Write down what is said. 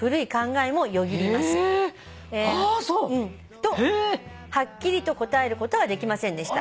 「とはっきりと答えることはできませんでした」